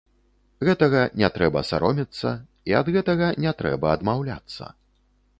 Гэтага не трэба саромецца, і ад гэтага не трэба адмаўляцца.